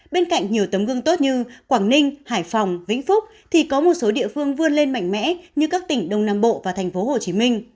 bên cạnh nhiều tấm gương tốt như quảng ninh hải phòng vĩnh phúc thì có một số địa phương vươn lên mạnh mẽ như các tỉnh đông nam bộ và tp hcm